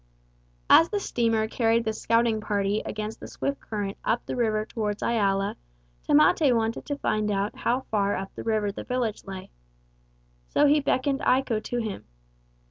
As the steamer carried this scouting party against the swift current up the river toward Iala, Tamate wanted to find how far up the river the village lay. So he beckoned Iko to him.